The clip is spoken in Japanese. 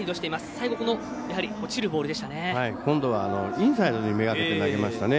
最後、落ちるボールでしたね。